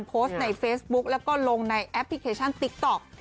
โพสต์ในเฟซบุ๊กแล้วก็ลงในแอปพลิเคชันติ๊กต๊อก